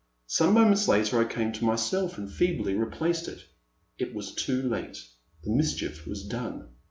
Some moments later I came to myself and feebly replaced it. It was too late; the mischief was done.